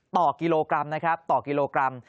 ต่อกิโลกรัมนะครับต่อกิโลกรัม